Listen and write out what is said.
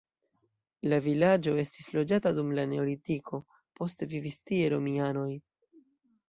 La vilaĝo estis loĝata dum la neolitiko, poste vivis tie romianoj.